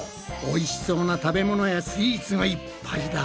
おいしそうな食べ物やスイーツがいっぱいだ！